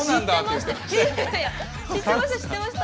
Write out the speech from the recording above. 知ってました